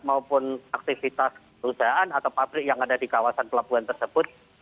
maupun aktivitas perusahaan atau pabrik yang ada di kawasan pelabuhan tersebut